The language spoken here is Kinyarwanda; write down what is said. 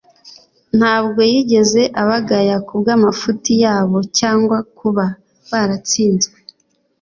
Ntabwo yigeze abagaya kubw'amafuti yabo cyangwa kuba baratsinzwe;